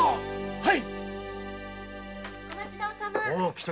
はい！